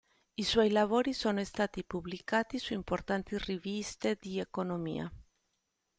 I suoi lavori sono stati pubblicati su importanti riviste di Economia.